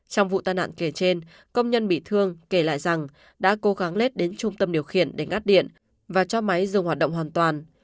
trong vụ tai nạn kể trên công nhân bị thương kể lại rằng đã cố gắng lết đến trung tâm điều khiển để ngắt điện và cho máy dùng hoạt động hoàn toàn